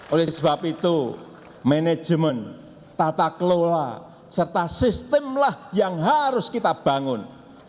oleh sebab itu manajemen tata kelola serta sistemlah yang harus kita bangun